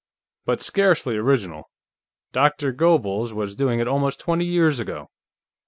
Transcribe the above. But scarcely original. Doctor Goebbels was doing it almost twenty years ago."